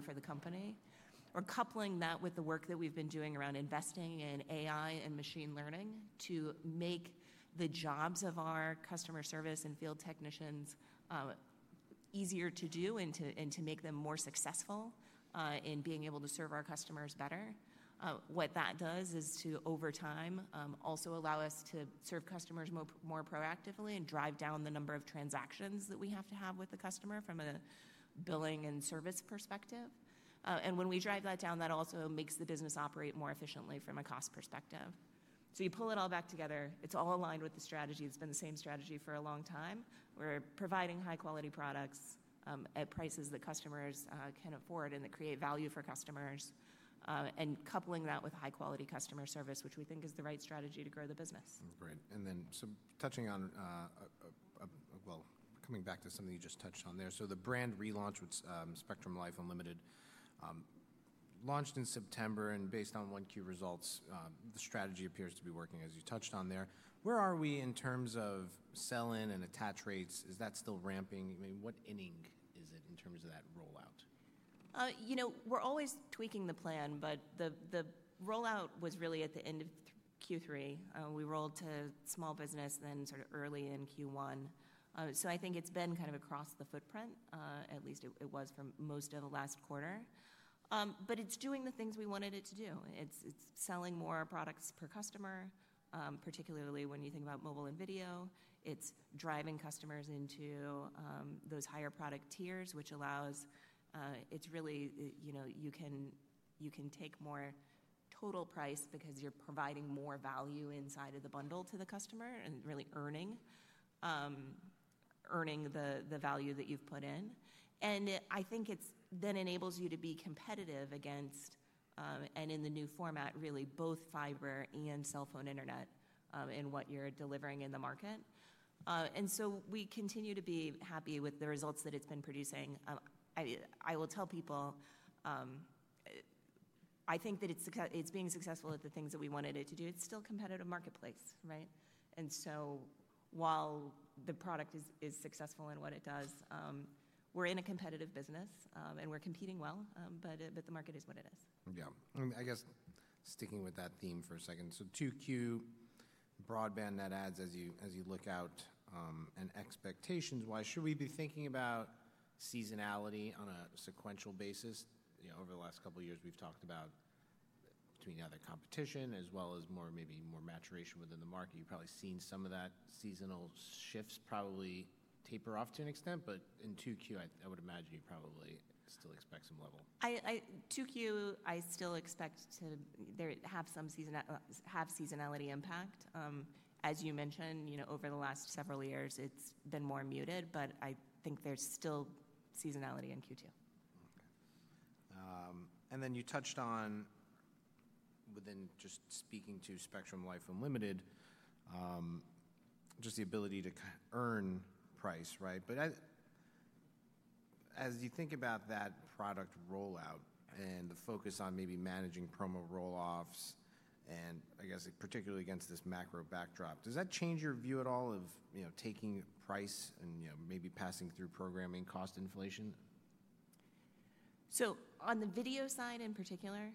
Value for the company, or coupling that with the work that we've been doing around investing in AI and machine learning to make the jobs of our customer service and field technicians easier to do and to make them more successful in being able to serve our customers better. What that does is, over time, also allow us to serve customers more proactively and drive down the number of transactions that we have to have with the customer from a billing and service perspective. When we drive that down, that also makes the business operate more efficiently from a cost perspective. You pull it all back together, it's all aligned with the strategy. It's been the same strategy for a long time. We're providing high-quality products at prices that customers can afford and that create value for customers, and coupling that with high-quality customer service, which we think is the right strategy to grow the business. Great. And then touching on, coming back to something you just touched on there. The brand relaunch with Spectrum Life Unlimited launched in September, and based on 1Q results, the strategy appears to be working, as you touched on there. Where are we in terms of sell-in and attach rates? Is that still ramping? I mean, what inning is it in terms of that rollout? You know, we're always tweaking the plan, but the rollout was really at the end of Q3. We rolled to small business, then sort of early in Q1. I think it's been kind of across the footprint, at least it was for most of the last quarter. It's doing the things we wanted it to do. It's selling more products per customer, particularly when you think about mobile and video. It's driving customers into those higher product tiers, which allows, it's really, you know, you can take more total price because you're providing more value inside of the bundle to the customer and really earning the value that you've put in. I think it then enables you to be competitive against, and in the new format, really both fiber and cell phone internet in what you're delivering in the market. We continue to be happy with the results that it's been producing. I will tell people, I think that it's being successful at the things that we wanted it to do. It's still a competitive marketplace, right? While the product is successful in what it does, we're in a competitive business and we're competing well, but the market is what it is. Yeah. I mean, I guess sticking with that theme for a second. So 2Q, broadband, net adds, as you look out, and expectations. Why should we be thinking about seasonality on a sequential basis? You know, over the last couple of years, we've talked about, between other competition, as well as maybe more maturation within the market. You've probably seen some of that. Seasonal shifts probably taper off to an extent, but in 2Q, I would imagine you probably still expect some level. 2Q, I still expect to have some seasonality impact. As you mentioned, you know, over the last several years, it's been more muted, but I think there's still seasonality in Q2. Okay. You touched on, within just speaking to Spectrum Life Unlimited, just the ability to earn price, right? As you think about that product rollout and the focus on maybe managing promo rolloffs, and I guess particularly against this macro backdrop, does that change your view at all of, you know, taking price and, you know, maybe passing through programming cost inflation? On the video side in particular,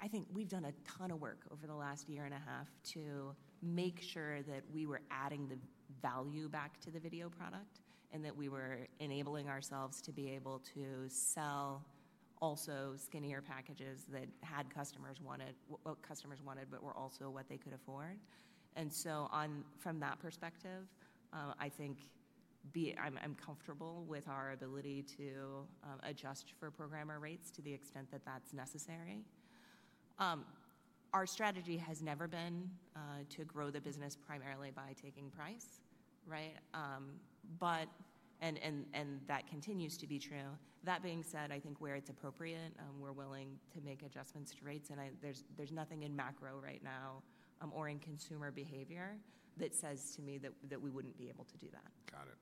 I think we've done a ton of work over the last year and a half to make sure that we were adding the value back to the video product and that we were enabling ourselves to be able to sell also skinnier packages that had customers wanted what customers wanted, but were also what they could afford. From that perspective, I think I'm comfortable with our ability to adjust for programmer rates to the extent that that's necessary. Our strategy has never been to grow the business primarily by taking price, right? That continues to be true. That being said, I think where it's appropriate, we're willing to make adjustments to rates, and there's nothing in macro right now or in consumer behavior that says to me that we wouldn't be able to do that. Got it.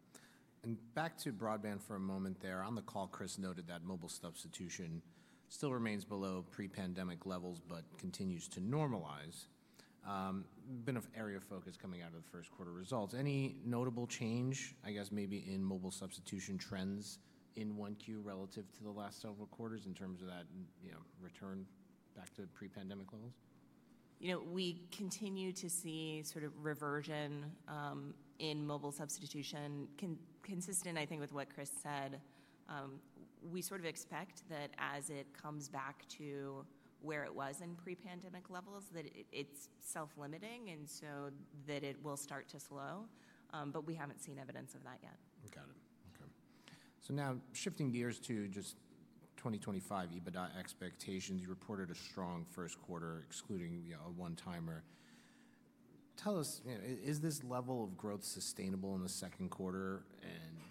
Back to broadband for a moment there. On the call, Chris noted that mobile substitution still remains below pre-pandemic levels, but continues to normalize. Been an area of focus coming out of the first quarter results. Any notable change, I guess, maybe in mobile substitution trends in 1Q relative to the last several quarters in terms of that, you know, return back to pre-pandemic levels? You know, we continue to see sort of reversion in mobile substitution, consistent, I think, with what Chris said. We sort of expect that as it comes back to where it was in pre-pandemic levels, that it's self-limiting and so that it will start to slow, but we haven't seen evidence of that yet. Got it. Okay. Now shifting gears to just 2025 EBITDA expectations, you reported a strong first quarter, excluding, you know, a one-timer. Tell us, you know, is this level of growth sustainable in the second quarter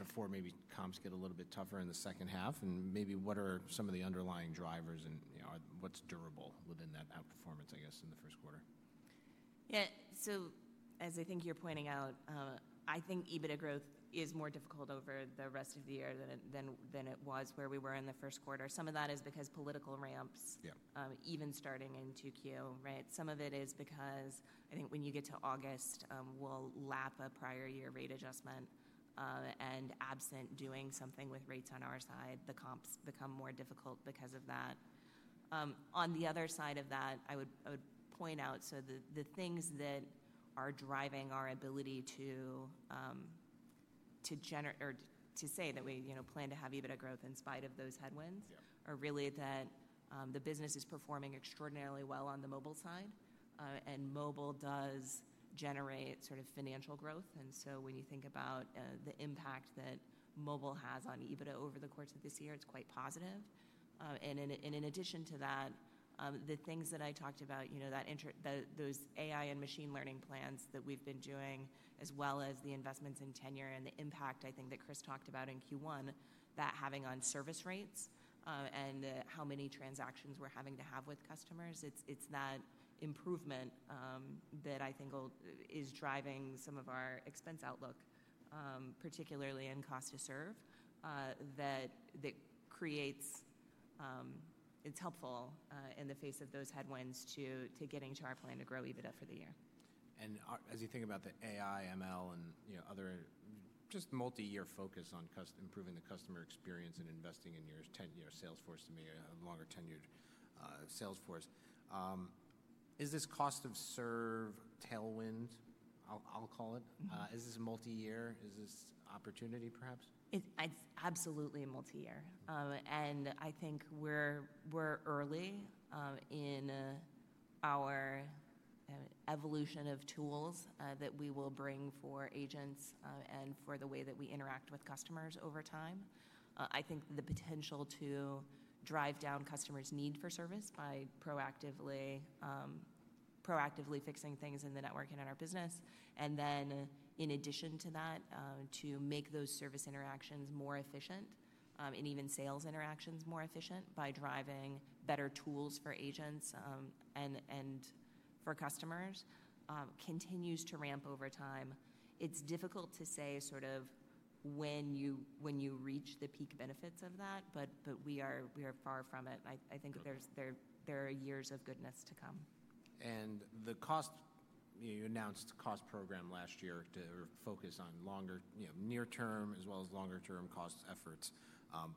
and before maybe comps get a little bit tougher in the second half? Maybe what are some of the underlying drivers and, you know, what's durable within that outperformance, I guess, in the first quarter? Yeah. As I think you're pointing out, I think EBITDA growth is more difficult over the rest of the year than it was where we were in the first quarter. Some of that is because political ramps, even starting in 2Q, right? Some of it is because I think when you get to August, we'll lap a prior year rate adjustment, and absent doing something with rates on our side, the comps become more difficult because of that. On the other side of that, I would point out, the things that are driving our ability to say that we, you know, plan to have EBITDA growth in spite of those headwinds are really that the business is performing extraordinarily well on the mobile side, and mobile does generate sort of financial growth. When you think about the impact that mobile has on EBITDA over the course of this year, it's quite positive. In addition to that, the things that I talked about, you know, those AI and machine learning plans that we've been doing, as well as the investments in tenure and the impact I think that Chris talked about in Q1, that having on service rates and how many transactions we're having to have with customers, it's that improvement that I think is driving some of our expense outlook, particularly in cost to serve, that creates it's helpful in the face of those headwinds to getting to our plan to grow EBITDA for the year. As you think about the AI, ML, and, you know, other just multi-year focus on improving the customer experience and investing in your tenure, Salesforce, to me, a longer-tenured Salesforce, is this cost of serve tailwind, I'll call it? Is this multi-year? Is this opportunity, perhaps? It's absolutely a multi-year. I think we're early in our evolution of tools that we will bring for agents and for the way that we interact with customers over time. I think the potential to drive down customers' need for service by proactively fixing things in the network and in our business, and then in addition to that, to make those service interactions more efficient and even sales interactions more efficient by driving better tools for agents and for customers continues to ramp over time. It's difficult to say sort of when you reach the peak benefits of that, but we are far from it. I think there are years of goodness to come. The cost, you announced a cost program last year to focus on longer, you know, near-term as well as longer-term cost efforts,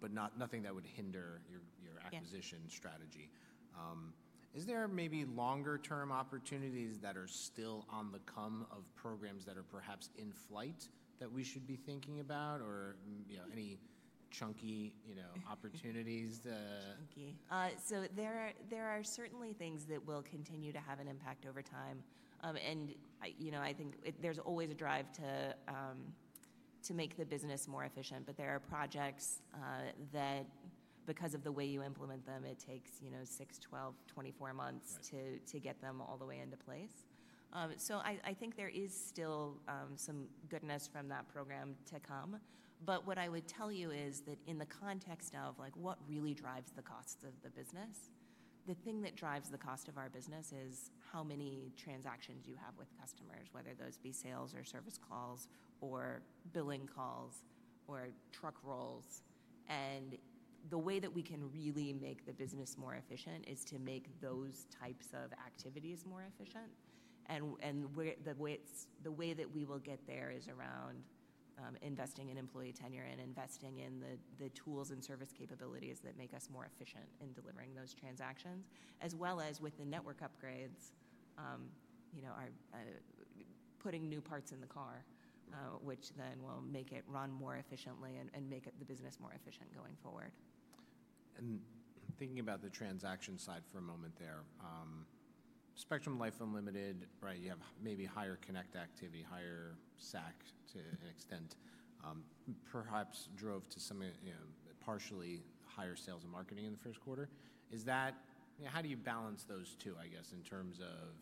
but nothing that would hinder your acquisition strategy. Is there maybe longer-term opportunities that are still on the come of programs that are perhaps in flight that we should be thinking about, or, you know, any chunky, you know, opportunities? Chunky. There are certainly things that will continue to have an impact over time. You know, I think there's always a drive to make the business more efficient, but there are projects that, because of the way you implement them, it takes, you know, six, 12, 24 months to get them all the way into place. I think there is still some goodness from that program to come. What I would tell you is that in the context of, like, what really drives the cost of the business, the thing that drives the cost of our business is how many transactions you have with customers, whether those be sales or service calls or billing calls or truck rolls. The way that we can really make the business more efficient is to make those types of activities more efficient. The way that we will get there is around investing in employee tenure and investing in the tools and service capabilities that make us more efficient in delivering those transactions, as well as with the network upgrades, you know, putting new parts in the car, which then will make it run more efficiently and make the business more efficient going forward. Thinking about the transaction side for a moment there, Spectrum Life Unlimited, right, you have maybe higher connect activity, higher SAC to an extent, perhaps drove to some, you know, partially higher sales and marketing in the first quarter. Is that, you know, how do you balance those two, I guess, in terms of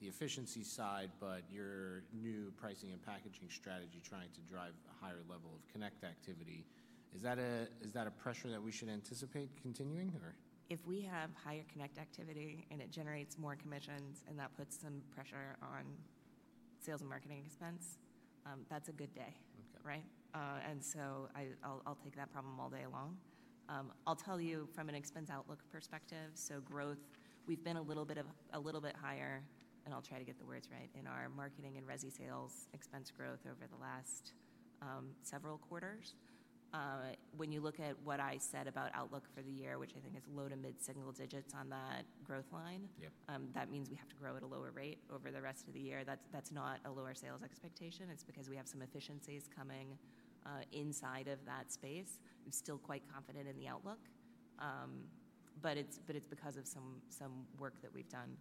the efficiency side, but your new pricing and packaging strategy trying to drive a higher level of connect activity? Is that a pressure that we should anticipate continuing? If we have higher connect activity and it generates more commissions and that puts some pressure on sales and marketing expense, that's a good day, right? I'll take that problem all day long. I'll tell you from an expense outlook perspective, growth, we've been a little bit higher, and I'll try to get the words right, in our marketing and resi sales expense growth over the last several quarters. When you look at what I said about outlook for the year, which I think is low to mid-single digits on that growth line, that means we have to grow at a lower rate over the rest of the year. That's not a lower sales expectation. It's because we have some efficiencies coming inside of that space. I'm still quite confident in the outlook, but it's because of some work that we've done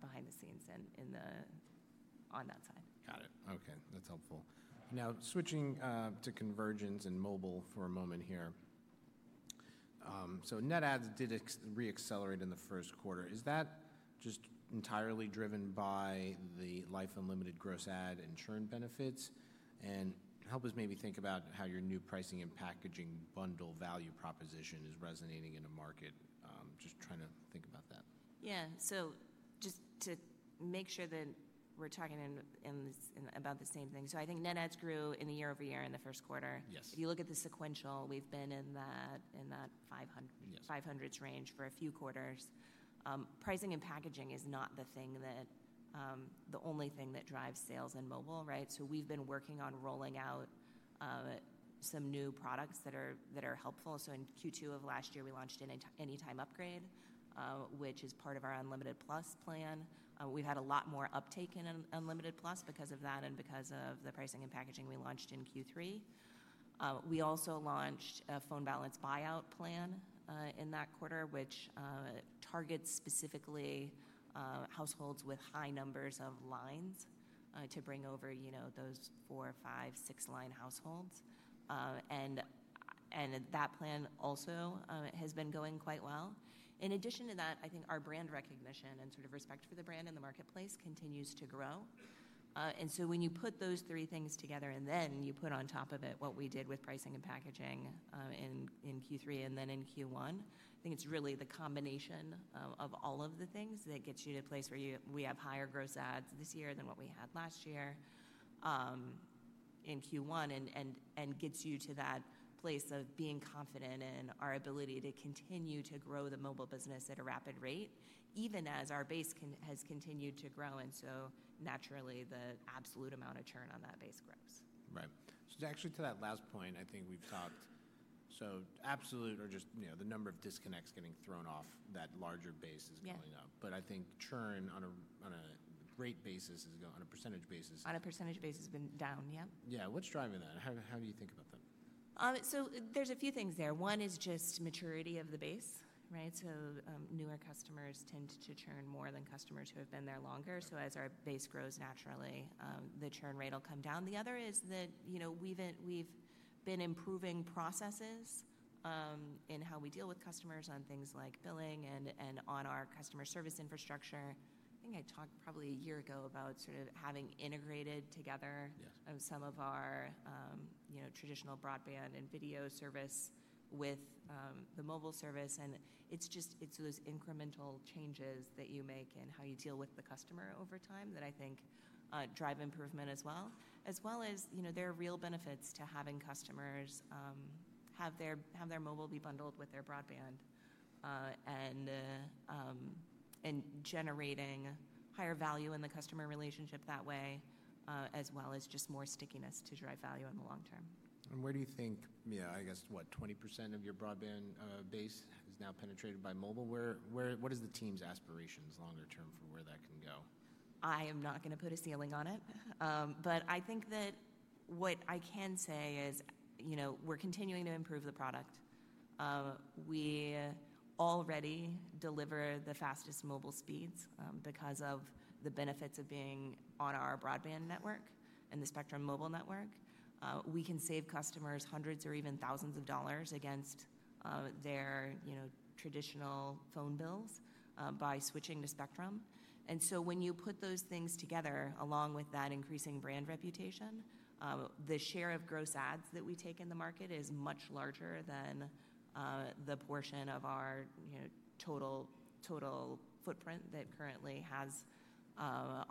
behind the scenes on that side. Got it. Okay. That's helpful. Now switching to convergence and mobile for a moment here. Net adds did re-accelerate in the first quarter. Is that just entirely driven by the Life Unlimited gross add insurance benefits? Help us maybe think about how your new pricing and packaging bundle value proposition is resonating in a market. Just trying to think about that. Yeah. Just to make sure that we're talking about the same thing. I think net adds grew year over year in the first quarter. If you look at the sequential, we've been in that 500s range for a few quarters. Pricing and packaging is not the thing that, the only thing that drives sales and mobile, right? We've been working on rolling out some new products that are helpful. In Q2 of last year, we launched an Anytime Upgrade, which is part of our Unlimited Plus plan. We've had a lot more uptake in Unlimited Plus because of that and because of the pricing and packaging we launched in Q3. We also launched a Phone Balance Buyout plan in that quarter, which targets specifically households with high numbers of lines to bring over, you know, those four, five, six line households. That plan also has been going quite well. In addition to that, I think our brand recognition and sort of respect for the brand in the marketplace continues to grow. When you put those three things together and then you put on top of it what we did with pricing and packaging in Q3 and then in Q1, I think it is really the combination of all of the things that gets you to a place where we have higher gross adds this year than what we had last year in Q1 and gets you to that place of being confident in our ability to continue to grow the mobile business at a rapid rate, even as our base has continued to grow. Naturally, the absolute amount of churn on that base grows. Right. So actually to that last point, I think we've talked, so absolute or just, you know, the number of disconnects getting thrown off that larger base is going up, but I think churn on a rate basis is going on a percentage basis. On a percentage basis has been down, yep. Yeah. What's driving that? How do you think about that? There are a few things there. One is just maturity of the base, right? Newer customers tend to churn more than customers who have been there longer. As our base grows naturally, the churn rate will come down. The other is that, you know, we have been improving processes in how we deal with customers on things like billing and on our customer service infrastructure. I think I talked probably a year ago about sort of having integrated together some of our, you know, traditional broadband and video service with the mobile service. It is just, it is those incremental changes that you make and how you deal with the customer over time that I think drive improvement as well, as well as, you know, there are real benefits to having customers have their mobile be bundled with their broadband and generating higher value in the customer relationship that way, as well as just more stickiness to drive value in the long term. Where do you think, yeah, I guess what, 20% of your broadband base is now penetrated by mobile? What is the team's aspirations longer term for where that can go? I am not going to put a ceiling on it, but I think that what I can say is, you know, we're continuing to improve the product. We already deliver the fastest mobile speeds because of the benefits of being on our broadband network and the Spectrum Mobile network. We can save customers hundreds or even thousands of dollars against their, you know, traditional phone bills by switching to Spectrum. When you put those things together along with that increasing brand reputation, the share of gross adds that we take in the market is much larger than the portion of our, you know, total footprint that currently has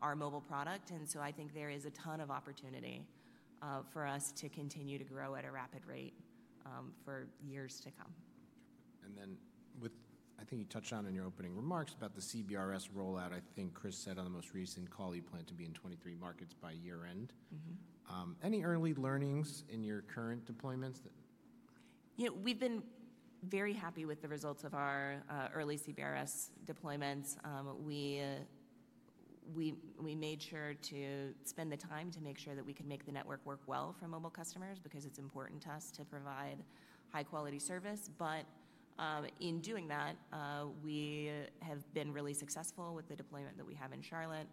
our mobile product. I think there is a ton of opportunity for us to continue to grow at a rapid rate for years to come. With, I think you touched on in your opening remarks about the CBRS rollout, I think Chris said on the most recent call he planned to be in 23 markets by year-end. Any early learnings in your current deployments? You know, we've been very happy with the results of our early CBRS deployments. We made sure to spend the time to make sure that we can make the network work well for mobile customers because it's important to us to provide high-quality service. In doing that, we have been really successful with the deployment that we have in Charlotte.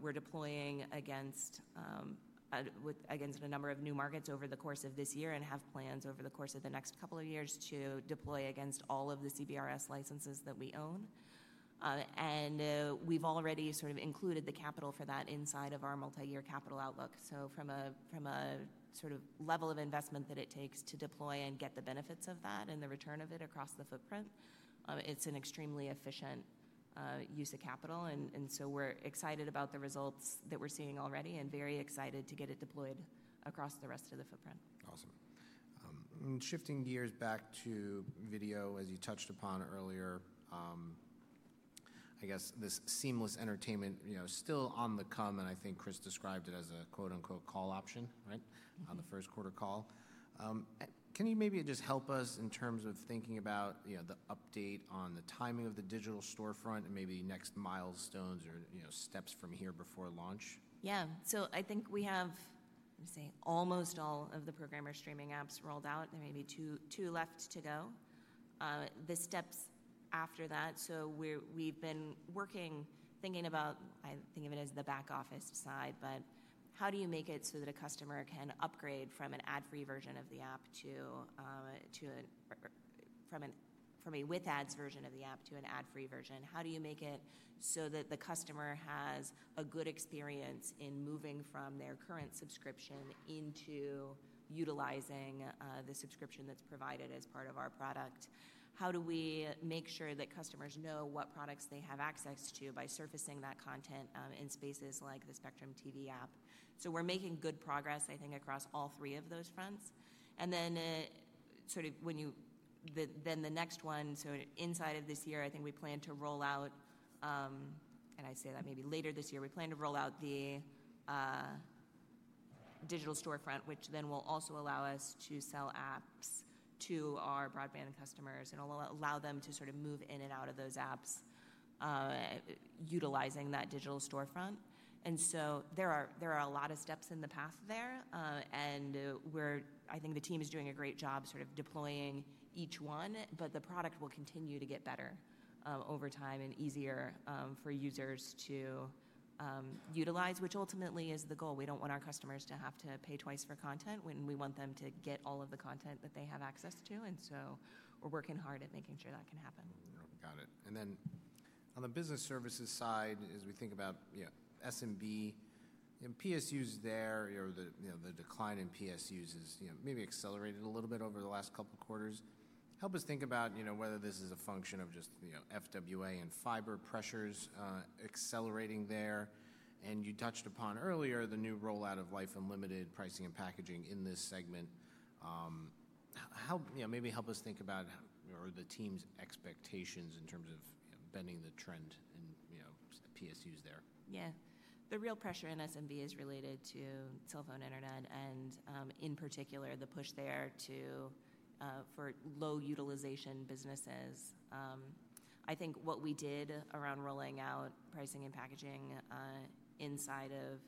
We're deploying against a number of new markets over the course of this year and have plans over the course of the next couple of years to deploy against all of the CBRS licenses that we own. We've already sort of included the capital for that inside of our multi-year capital outlook. From a sort of level of investment that it takes to deploy and get the benefits of that and the return of it across the footprint, it's an extremely efficient use of capital. We're excited about the results that we're seeing already and very excited to get it deployed across the rest of the footprint. Awesome. Shifting gears back to video, as you touched upon earlier, I guess this seamless entertainment, you know, still on the come, and I think Chris described it as a quote-unquote call option, right, on the first quarter call. Can you maybe just help us in terms of thinking about, you know, the update on the timing of the digital storefront and maybe next milestones or, you know, steps from here before launch? Yeah. So I think we have, I'm going to say, almost all of the programmer streaming apps rolled out. There may be two left to go. The steps after that, we've been working, thinking about, I think of it as the back office side, but how do you make it so that a customer can upgrade from an ad-free version of the app to, from a with-ads version of the app to an ad-free version? How do you make it so that the customer has a good experience in moving from their current subscription into utilizing the subscription that's provided as part of our product? How do we make sure that customers know what products they have access to by surfacing that content in spaces like the Spectrum TV app? We're making good progress, I think, across all three of those fronts. When you, then the next one, inside of this year, I think we plan to roll out, and I say that maybe later this year, we plan to roll out the digital storefront, which then will also allow us to sell apps to our broadband customers and allow them to move in and out of those apps utilizing that digital storefront. There are a lot of steps in the path there. I think the team is doing a great job deploying each one, but the product will continue to get better over time and easier for users to utilize, which ultimately is the goal. We do not want our customers to have to pay twice for content. We want them to get all of the content that they have access to. We're working hard at making sure that can happen. Got it. And then on the business services side, as we think about, you know, SMB, you know, PSUs there, you know, the decline in PSUs is, you know, maybe accelerated a little bit over the last couple of quarters. Help us think about, you know, whether this is a function of just, you know, FWA and fiber pressures accelerating there. And you touched upon earlier the new rollout of Life Unlimited pricing and packaging in this segment. How, you know, maybe help us think about, or the team's expectations in terms of bending the trend in, you know, PSUs there. Yeah. The real pressure in SMB is related to cell phone internet and in particular the push there for low utilization businesses. I think what we did around rolling out pricing and packaging inside of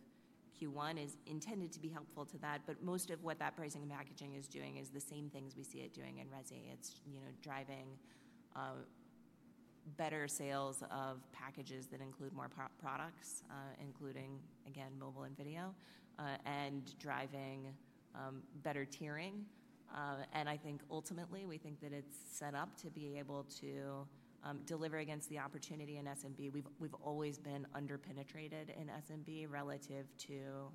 Q1 is intended to be helpful to that, but most of what that pricing and packaging is doing is the same things we see it doing in resi. It's, you know, driving better sales of packages that include more products, including, again, mobile and video, and driving better tiering. I think ultimately we think that it's set up to be able to deliver against the opportunity in SMB. We've always been underpenetrated in SMB relative to,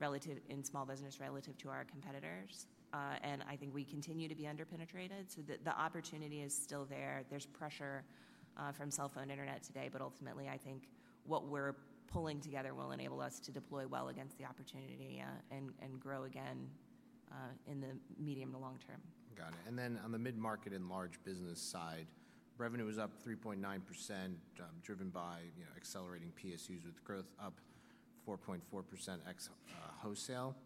relative in small business relative to our competitors. I think we continue to be underpenetrated. The opportunity is still there. There's pressure from cell phone internet today, but ultimately I think what we're pulling together will enable us to deploy well against the opportunity and grow again in the medium to long term. Got it. On the mid-market and large business side, revenue was up 3.9% driven by, you know, accelerating PSUs with growth up 4.4% ex wholesale.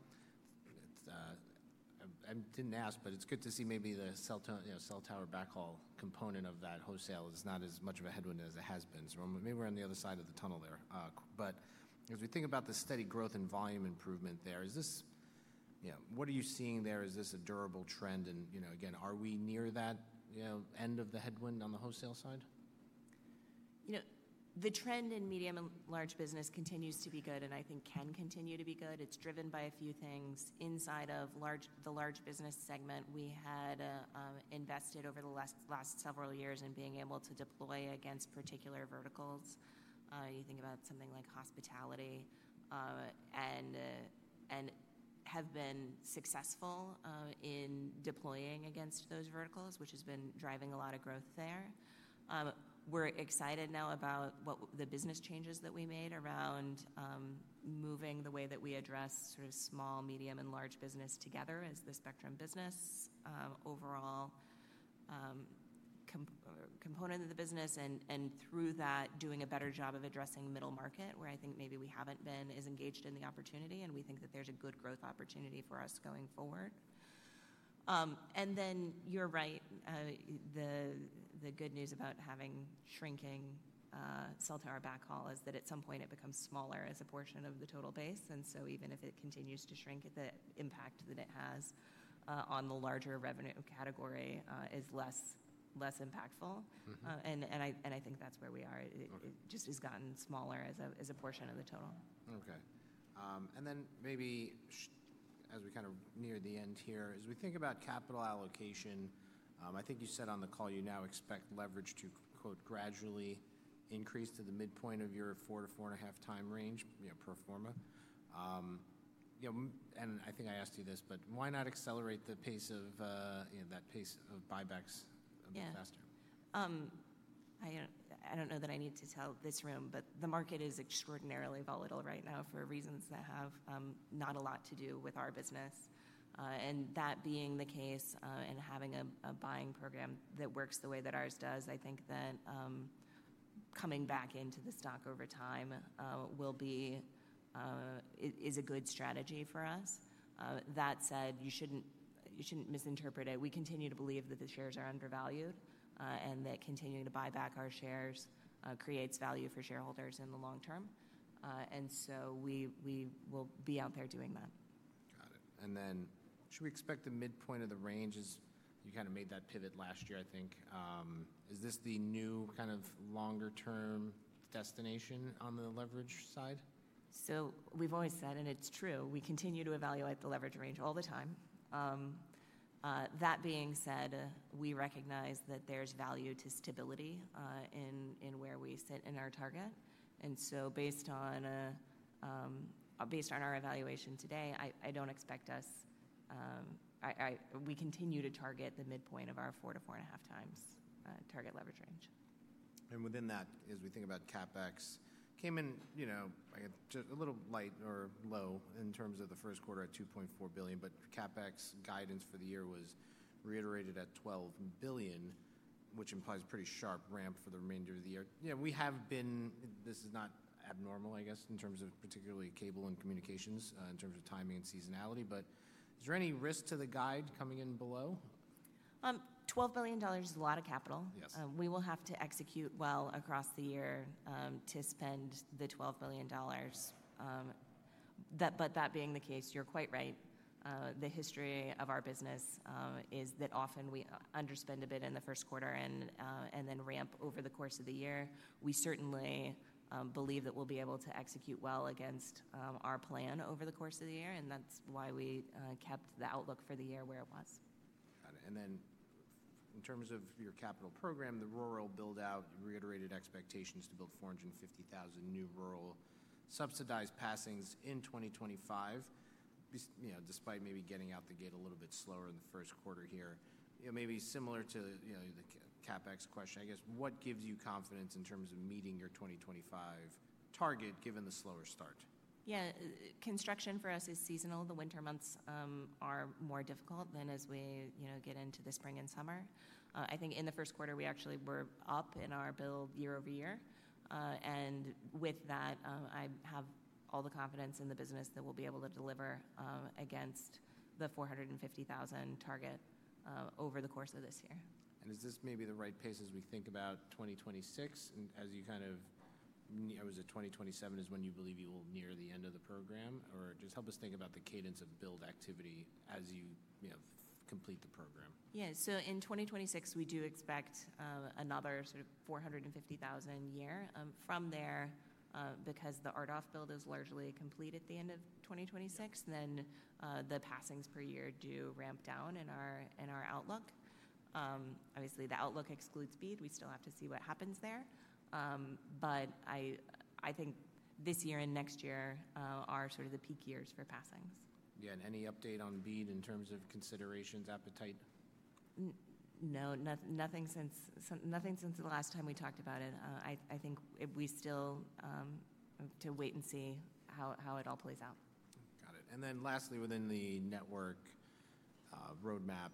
I didn't ask, but it's good to see maybe the cell tower backhaul component of that wholesale is not as much of a headwind as it has been. Maybe we're on the other side of the tunnel there. As we think about the steady growth and volume improvement there, is this, you know, what are you seeing there? Is this a durable trend? You know, again, are we near that, you know, end of the headwind on the wholesale side? You know, the trend in medium and large business continues to be good and I think can continue to be good. It's driven by a few things inside of the large business segment. We had invested over the last several years in being able to deploy against particular verticals. You think about something like hospitality and have been successful in deploying against those verticals, which has been driving a lot of growth there. We're excited now about the business changes that we made around moving the way that we address sort of small, medium, and large business together as the Spectrum business overall component of the business and through that doing a better job of addressing middle market where I think maybe we haven't been as engaged in the opportunity and we think that there's a good growth opportunity for us going forward. And then you're right. The good news about having shrinking cell tower backhaul is that at some point it becomes smaller as a portion of the total base. Even if it continues to shrink, the impact that it has on the larger revenue category is less impactful. I think that's where we are. It just has gotten smaller as a portion of the total. Okay. And then maybe as we kind of near the end here, as we think about capital allocation, I think you said on the call you now expect leverage to "gradually increase to the midpoint of your 4x-4.5x range," you know, pro forma. You know, and I think I asked you this, but why not accelerate the pace of, you know, that pace of buybacks a bit faster? Yeah. I do not know that I need to tell this room, but the market is extraordinarily volatile right now for reasons that have not a lot to do with our business. That being the case and having a buying program that works the way that ours does, I think that coming back into the stock over time will be, is a good strategy for us. That said, you should not misinterpret it. We continue to believe that the shares are undervalued and that continuing to buy back our shares creates value for shareholders in the long term. We will be out there doing that. Got it. Should we expect the midpoint of the range as you kind of made that pivot last year, I think? Is this the new kind of longer term destination on the leverage side? We've always said, and it's true, we continue to evaluate the leverage range all the time. That being said, we recognize that there's value to stability in where we sit in our target. Based on our evaluation today, I don't expect us, we continue to target the midpoint of our 4x-4.5x target leverage range. Within that, as we think about CapEx, came in, you know, just a little light or low in terms of the first quarter at $2.4 billion, but CapEx guidance for the year was reiterated at $12 billion, which implies a pretty sharp ramp for the remainder of the year. You know, we have been, this is not abnormal, I guess, in terms of particularly cable and communications in terms of timing and seasonality, but is there any risk to the guide coming in below? $12 billion is a lot of capital. We will have to execute well across the year to spend the $12 billion. That being the case, you're quite right. The history of our business is that often we underspend a bit in the first quarter and then ramp over the course of the year. We certainly believe that we'll be able to execute well against our plan over the course of the year, and that's why we kept the outlook for the year where it was. Got it. In terms of your capital program, the rural buildout, you reiterated expectations to build 450,000 new rural subsidized passings in 2025, you know, despite maybe getting out the gate a little bit slower in the first quarter here. You know, maybe similar to, you know, the CapEx question, I guess, what gives you confidence in terms of meeting your 2025 target given the slower start? Yeah. Construction for us is seasonal. The winter months are more difficult than as we, you know, get into the spring and summer. I think in the first quarter we actually were up in our build year over year. With that, I have all the confidence in the business that we'll be able to deliver against the 450,000 target over the course of this year. Is this maybe the right pace as we think about 2026? As you kind of, was it 2027 is when you believe you will near the end of the program? Just help us think about the cadence of build activity as you, you know, complete the program. Yeah. In 2026, we do expect another sort of 450,000 a year from there because the RDOF build is largely complete at the end of 2026. The passings per year do ramp down in our outlook. Obviously, the outlook excludes BEAD. We still have to see what happens there. I think this year and next year are sort of the peak years for passings. Yeah. Any update on BEAD in terms of considerations, appetite? No, nothing since the last time we talked about it. I think we still have to wait and see how it all plays out. Got it. Lastly, within the network roadmap,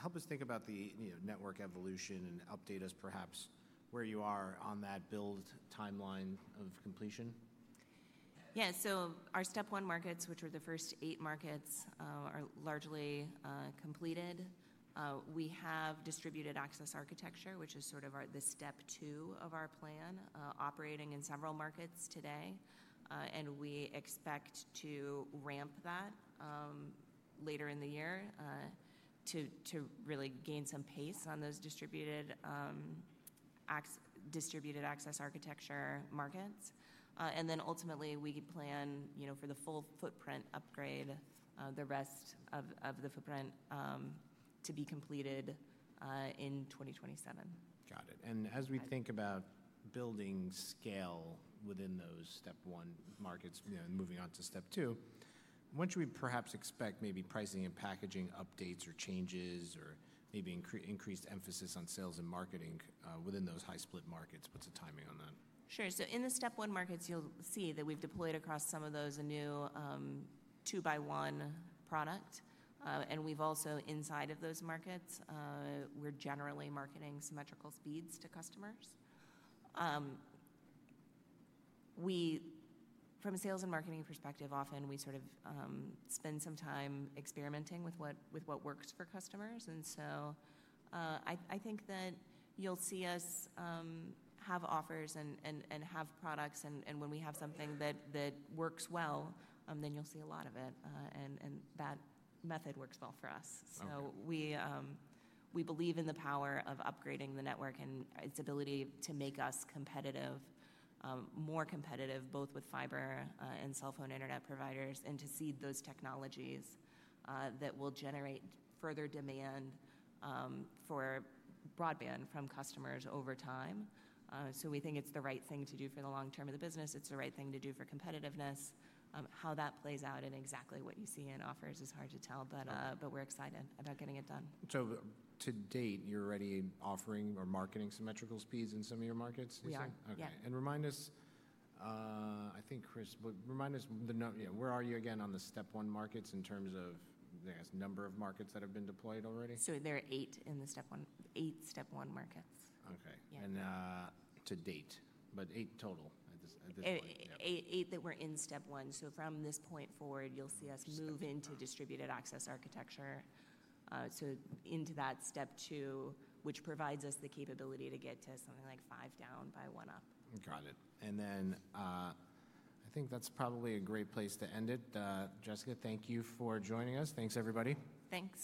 help us think about the network evolution and update us perhaps where you are on that build timeline of completion. Yeah. Our step one markets, which were the first eight markets, are largely completed. We have distributed access architecture, which is sort of the step two of our plan, operating in several markets today. We expect to ramp that later in the year to really gain some pace on those distributed access architecture markets. Ultimately, we plan, you know, for the full footprint upgrade, the rest of the footprint to be completed in 2027. Got it. As we think about building scale within those step one markets, you know, moving on to step two, what should we perhaps expect, maybe pricing and packaging updates or changes, or maybe increased emphasis on sales and marketing within those high split markets? What's the timing on that? Sure. In the step one markets, you'll see that we've deployed across some of those a new two by one product. We've also inside of those markets, we're generally marketing symmetrical speeds to customers. We, from a sales and marketing perspective, often spend some time experimenting with what works for customers. I think that you'll see us have offers and have products. When we have something that works well, you'll see a lot of it. That method works well for us. We believe in the power of upgrading the network and its ability to make us competitive, more competitive both with fiber and cell phone internet providers and to seed those technologies that will generate further demand for broadband from customers over time. We think it's the right thing to do for the long term of the business. It's the right thing to do for competitiveness. How that plays out and exactly what you see in offers is hard to tell, but we're excited about getting it done. To date, you're already offering or marketing symmetrical speeds in some of your markets? Yeah. Okay. Remind us, I think, Chris, but remind us, where are you again on the step one markets in terms of the number of markets that have been deployed already? There are eight in the step one, eight step one markets. Okay. To date, eight total at this point. Eight that we're in step one. From this point forward, you'll see us move into distributed access architecture, into that step two, which provides us the capability to get to something like five down by one up. Got it. I think that's probably a great place to end it. Jessica, thank you for joining us. Thanks, everybody. Thanks.